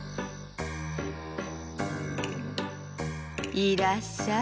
いらっしゃい。